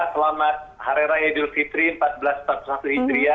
selamat hari raya idul fitri empat belas empat puluh satu idria